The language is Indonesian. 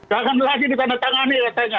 jangan lagi ditandatangani ya tni